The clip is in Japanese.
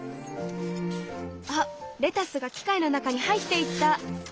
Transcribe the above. あレタスが機械の中に入っていった！